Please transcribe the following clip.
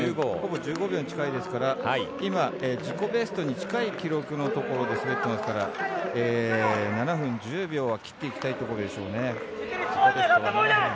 ほぼ１５秒に近いですから、今自己ベストに近いところの記録で滑っていますから７分１０秒は切っていきたいところでしょうね。